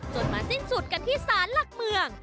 มาสิ้นสุดกันที่ศาลหลักเมือง